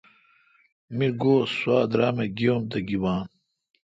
می گو سوا درامہ گیی ام تہ گیبان۔